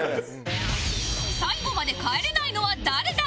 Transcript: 最後まで帰れないのは誰だ？